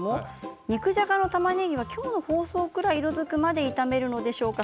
肉じゃがのたまねぎは今日の放送くらい色づくぐらい炒めるのでしょうか？